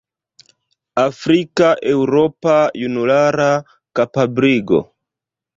"Afrika-Eŭropa junulara kapabligo".